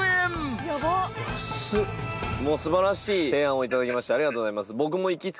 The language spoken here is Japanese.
素晴らしい提案をいただきましてありがとうございます。